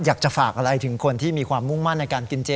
อยากจะฝากอะไรถึงคนที่มีความมุ่งมั่นในการกินเจ